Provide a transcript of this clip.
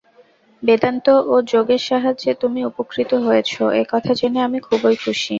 বেদান্ত ও যোগের সাহায্যে তুমি উপকৃত হয়েছ, এ-কথা জেনে আমি খুবই খুশী।